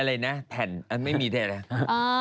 อะไรนะแผ่นไม่มีเทปเลย